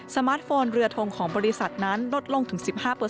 มาร์ทโฟนเรือทงของบริษัทนั้นลดลงถึง๑๕